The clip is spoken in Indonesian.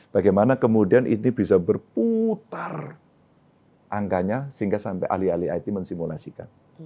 bagaimana kemudian ini bisa berputar angkanya sehingga sampai ahli ahli it mensimulasikan